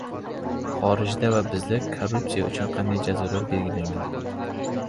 Horijda va bizda korrupsiya uchun qanday jazolar belgilangan?